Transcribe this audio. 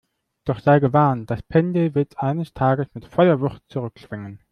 Doch sei gewarnt, das Pendel wird eines Tages mit voller Wucht zurückschwingen!